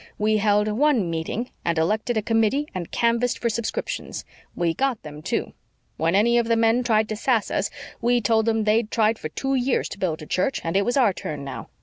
We held ONE meeting and elected a committee and canvassed for subscriptions. We got them, too. When any of the men tried to sass us we told them they'd tried for two years to build a church and it was our turn now.